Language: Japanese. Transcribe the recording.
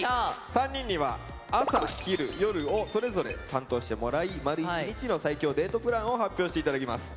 ３人には朝昼夜をそれぞれ担当してもらい丸一日の最強デートプランを発表して頂きます。